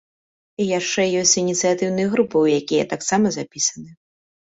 І яшчэ ёсць ініцыятыўныя групы, у якія я таксама запісаны.